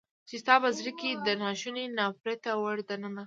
چې ستا په زړه کې يې دا ناشونی ناپړیته ور دننه کړه.